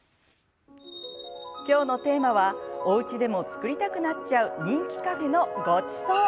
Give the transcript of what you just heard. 今日のテーマはおうちでも作りたくなっちゃう人気カフェのごちそう。